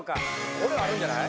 これはあるんじゃない？